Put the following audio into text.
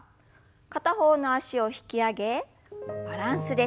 片方の脚を引き上げバランスです。